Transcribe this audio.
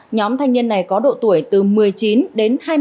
nhóm thanh niên này có độ tuổi từ một mươi chín đến hai mươi